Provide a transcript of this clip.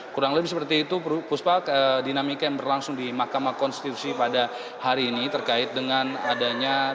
kurang lebih seperti itu puspa dinamika yang berlangsung di mahkamah konstitusi pada hari ini terkait dengan adanya